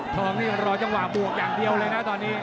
รออว์จังหวะเปล่าอย่างเดียวเลยนะตอนนี้